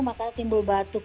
itu menimbulkan batuk